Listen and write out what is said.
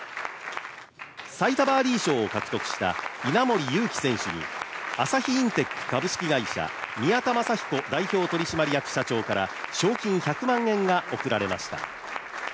最多バーディ賞を獲得した稲森佑貴選手に、朝日インテック株式会社宮田昌彦代表取締役社長から賞金１００万円が贈られました。